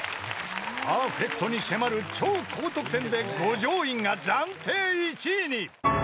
［パーフェクトに迫る超高得点で五条院が暫定１位に］